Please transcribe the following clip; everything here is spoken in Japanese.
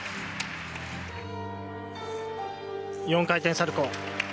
４回転サルコウ。